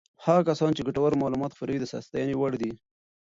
هغه کسان چې ګټور معلومات خپروي د ستاینې وړ دي.